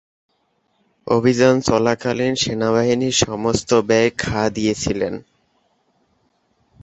অভিযান চলাকালীন সেনাবাহিনীর সমস্ত ব্যয় খাঁ দিয়েছিলেন।